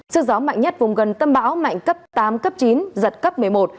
sức gió mạnh nhất vùng gần tâm bão mạnh cấp tám cấp chín giật cấp một mươi một